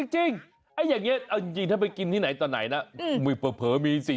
จริงอย่างนี้เอาจริงถ้าไปกินที่ไหนต่อไหนนะมือเผลอมี๔๐